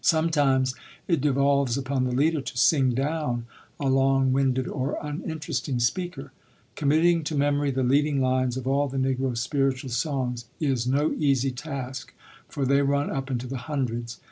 Sometimes it devolves upon the leader to "sing down" a long winded or uninteresting speaker. Committing to memory the leading lines of all the Negro spiritual songs is no easy task, for they run up into the hundreds.